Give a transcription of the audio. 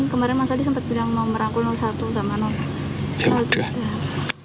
kan kemarin mas hadi sempat bilang mau merangkul satu sama dua